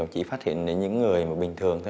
chỉ phát hiện những người bình thường